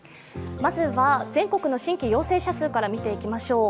まずは全国の新規陽性者数から見ていきましょう。